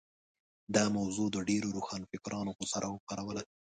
دا موضوع د ډېرو روښانفکرانو غوسه راوپاروله.